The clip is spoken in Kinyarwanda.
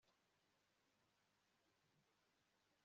umukobwa yigamo papa angella ati